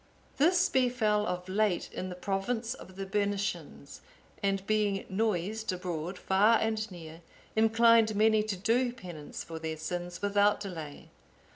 This befell of late in the province of the Bernicians, and being noised abroad far and near, inclined many to do penance for their sins without delay.